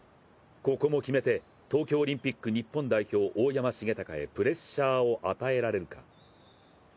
ここも決めて東京オリンピック日本代表大山重隆へプレッシャーを与えられるか。